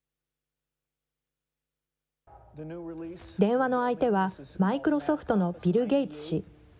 電話の相手は、マイクロソフトのビル・ゲイツ氏。